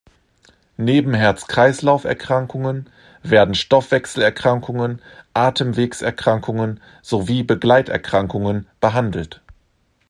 Neben Herz-Kreislauf-Erkrankungen werden Stoffwechselerkrankungen, Atemwegserkrankungen sowie Begleiterkrankungen behandelt.